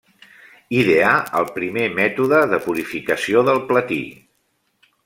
Ideà el primer mètode de purificació del platí.